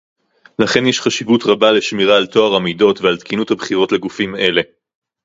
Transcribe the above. לכן יש חשיבות רבה לשמירה על טוהר המידות ועל תקינות הבחירות לגופים אלה